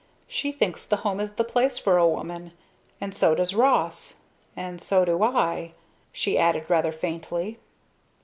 She thinks the home is the place for a woman and so does Ross and so do I," she added rather faintly.